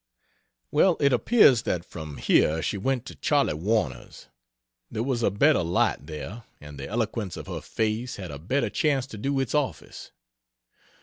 Well, it appears that from here she went to Charley Warner's. There was a better light, there, and the eloquence of her face had a better chance to do its office.